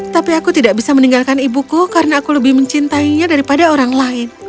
tapi aku tidak bisa meninggalkan ibuku karena aku lebih mencintainya daripada orang lain